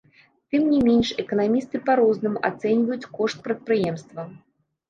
Тым не менш, эканамісты па-рознаму ацэньваюць кошт прадпрыемства.